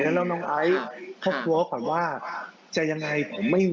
จัดให้พอด้วยความสวนนะอะไรอย่างนี้